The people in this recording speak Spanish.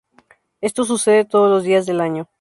Esto sucede todos los días del año.